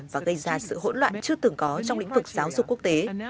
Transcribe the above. và gây ra sự hỗn loạn chưa từng có trong lĩnh vực giáo dục quốc tế